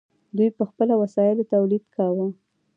دوی په خپلو وسایلو تولید کاوه.